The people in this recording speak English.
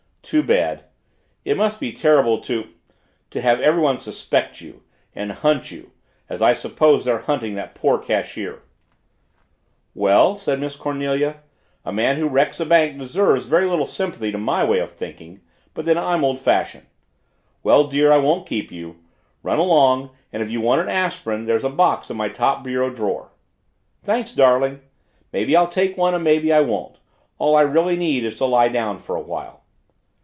"Too bad. It must be terrible to to have everyone suspect you and hunt you as I suppose they're hunting that poor cashier." "Well," said Miss Cornelia, "a man who wrecks a bank deserves very little sympathy to my way of thinking. But then I'm old fashioned. Well, dear, I won't keep you. Run along and if you want an aspirin, there's a box in my top bureau drawer." "Thanks, darling. Maybe I'll take one and maybe I won't all I really need is to lie down for a while."